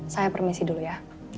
saya permisi dulu ya